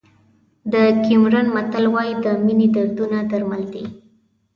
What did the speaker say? د کیمرون متل وایي د مینې دردونه درمل دي.